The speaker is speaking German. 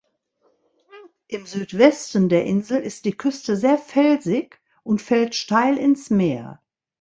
Im Südwesten der Insel ist die Küste sehr felsig und fällt steil ins Meer.